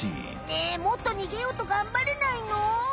ねえもっとにげようとがんばれないの？